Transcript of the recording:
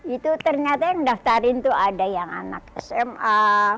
itu ternyata yang mendaftarin itu ada yang anak sma